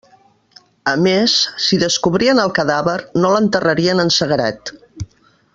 A més, si descobrien el cadàver, no l'enterrarien en sagrat.